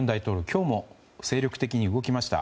今日も精力的に動きました。